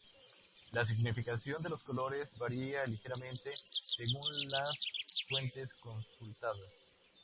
La significación de los colores varía ligeramente según las fuentes consultadas.